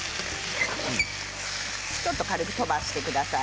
ちょっと軽く飛ばしてください。